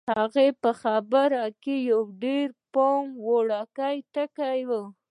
د هغه په خبرو کې یو ډېر د پام وړ ټکی و